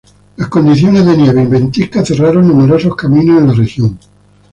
Las condiciones de nieve y ventiscas cerraron numerosos caminos en la región.